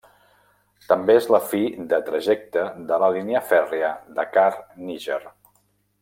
També és la fi de trajecte de la línia fèrria Dakar-Níger.